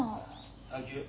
サンキュー。